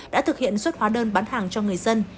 đã thực hiện xuất hóa đơn bán hàng cho người dân